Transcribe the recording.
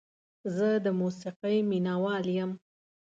زه د موسیقۍ مینه وال یم.